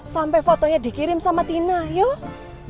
sampai fotonya dikirim sama tina yuk